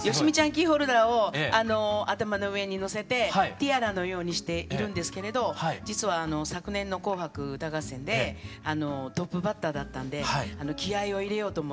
キーホルダーを頭の上にのせてティアラのようにしているんですけれど実はあの昨年の「紅白歌合戦」でトップバッターだったんで気合いを入れようと思って。